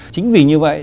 chính vì như vậy